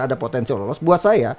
ada potensi lolos buat saya